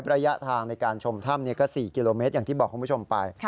ระยะทางในการชมถ้ำก็๔กิโลเมตรอย่างที่บอกคุณผู้ชมไป